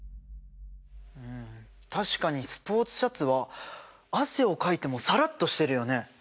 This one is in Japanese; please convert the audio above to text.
うん確かにスポーツシャツは汗をかいてもサラッとしてるよね。